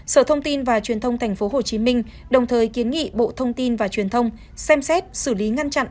sở thông tin và truyền thông tp hcm đồng thời kiến nghị bộ thông tin và truyền thông xem xét xử lý ngăn chặn